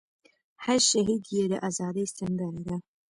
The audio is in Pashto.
هر شهید ئې د ازادۍ سندره ده